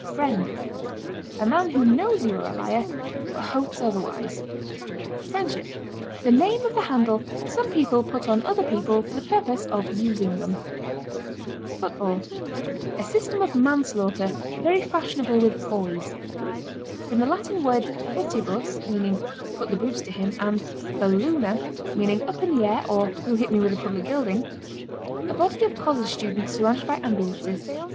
FRIEND. A man who knows you are a liar, but hopes otherwise. FRIENDSHIP. The name of the handle some people put on other people for the purpose of using them. FOOTBALL. A system of manslaughter very fashionable with boys. From the Latin words "footibus," meaning "put the boots to him," and "balloona," meaning "up in the air, or, who hit me with a public building?" A body of college students surrounded by ambulances.